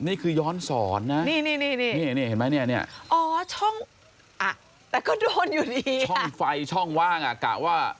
นี่คือย้อนสอนนะ